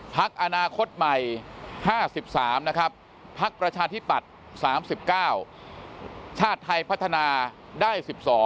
พักอนาคตใหม่๕๓นะครับพักประชาธิปัตย์๓๙ชาติไทยพัฒนาได้๑๒